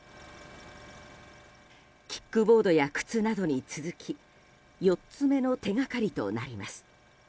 キックボードや靴などに続き４つ目の手がかりとなります。